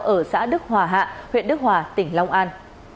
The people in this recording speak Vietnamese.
ở xã đức hòa hạ huyện đức hòa tỉnh long an